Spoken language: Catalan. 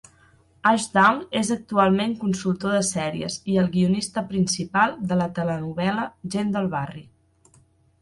Ashdown és actualment consultor de sèries i el guionista principal de la telenovel·la Gent del barri.